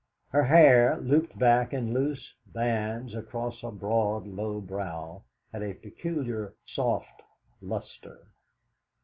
Her hair, looped back in loose bands across a broad low brow, had a peculiar soft lustre.